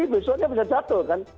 besoknya bisa jatuh kan